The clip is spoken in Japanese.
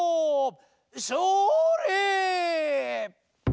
それ！